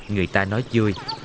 người ta nói vui